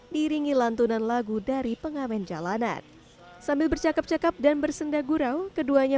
diringi lantunan lagu dari pengamen jalanan sambil bercakap cakap dan bersendagurau keduanya